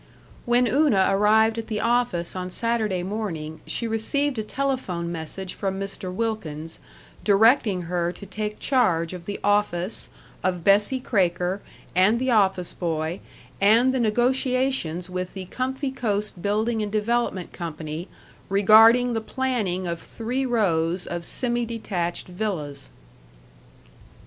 When Una arrived at the office on Saturday morning she received a telephone message from Mr. Wilkins, directing her to take charge of the office, of Bessie Kraker, and the office boy, and the negotiations with the Comfy Coast Building and Development Company regarding the planning of three rows of semi detached villas.